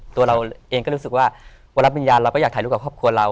ตัวเราเองก็รู้สึกว่าเวลารับวิญญาณเราก็อยากถ่ายรูปกับครอบครัวเรา